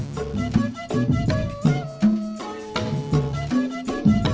terus kalian pandulin amin